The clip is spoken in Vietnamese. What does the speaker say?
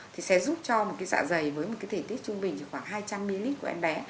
thì sẽ giúp cho một cái dạ dày với một cái thể tiết trung bình chỉ khoảng hai trăm linh ml của em bé